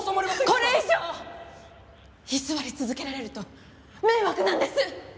これ以上居座り続けられると迷惑なんです！